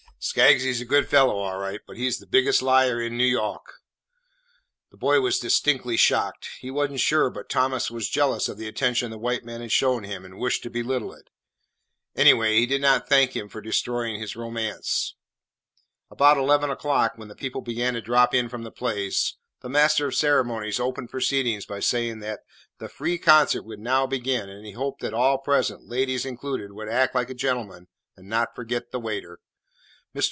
Skaggsy 's a good fellah, all right, but he 's the biggest liar in N' Yawk." The boy was distinctly shocked. He was n't sure but Thomas was jealous of the attention the white man had shown him and wished to belittle it. Anyway, he did not thank him for destroying his romance. About eleven o'clock, when the people began to drop in from the plays, the master of ceremonies opened proceedings by saying that "The free concert would now begin, and he hoped that all present, ladies included, would act like gentlemen, and not forget the waiter. Mr.